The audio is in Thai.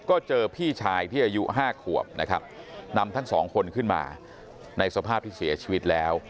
ก็เจอพี่ชายที่อายุ๕ขวบนะครับนำทั้งสองคนขึ้นมาในสภาพที่เสียชีวิตแล้ว